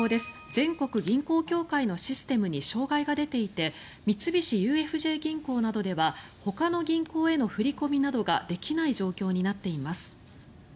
全国銀行協会のシステムに障害が出ていて三菱ＵＦＪ銀行などではほかの銀行への振り込みなどができない状況になっています。